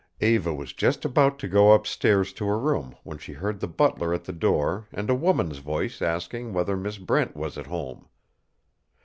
Eva was just about to go up stairs to her room when she heard the butler at the door and a woman's voice asking whether Miss Brent was at home.